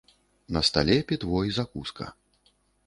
На стале пітво і закуска.